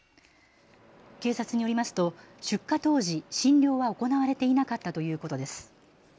警察によりますと出火当時、診療は行われていなかったということです。